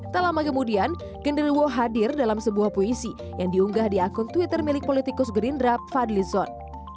tak lama kemudian genderuwo hadir dalam sebuah puisi yang diunggah di akun twitter milik politikus gerindra fadli zon